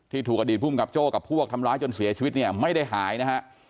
ถูกอดีตภูมิกับโจ้กับพวกทำร้ายจนเสียชีวิตเนี่ยไม่ได้หายนะฮะ